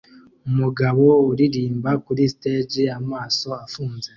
Umugabo uririmba kuri stage amaso afunze